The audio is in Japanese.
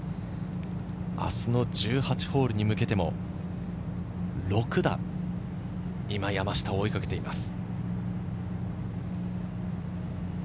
明日の１８ホールに向けても、６打、今、山下を追いかけています。